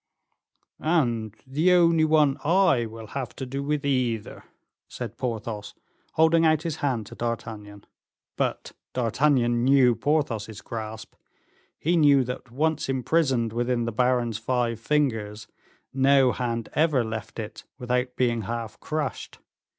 "And the only one I will have to do with either," said Porthos, holding out his hand to D'Artagnan. But D'Artagnan knew Porthos's grasp; he knew that, once imprisoned within the baron's five fingers, no hand ever left it without being half crushed.